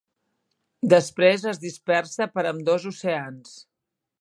Després es dispersa per ambdós oceans.